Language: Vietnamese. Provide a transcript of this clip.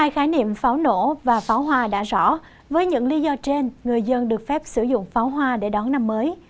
hai khái niệm pháo nổ và pháo hoa đã rõ với những lý do trên người dân được phép sử dụng pháo hoa để đón năm mới